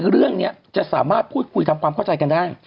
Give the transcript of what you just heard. เรื่องนี้จะสามารถพูดคุยทำความเข้าใจกันได้